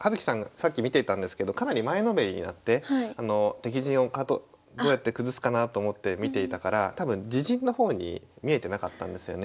さっき見ていたんですけどかなり前のめりになって敵陣をどうやって崩すかなと思って見ていたから多分自陣の方に見えてなかったんですよね。